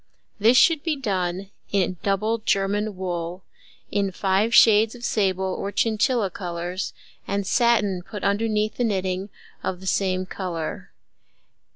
This should be done in double German wool, in five shades of sable or chinchilla colours, and satin put underneath the knitting of the same colour.